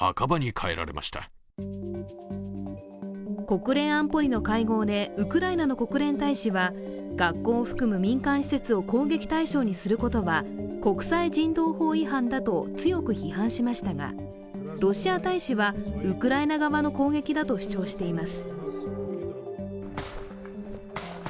国連安保理の会合でウクライナの国連大使は学校を含む民間施設を攻撃対象にすることは国際人道法違反だと強く批判しましたが、ロシア大使はウクライナ側の攻撃だと主張しています。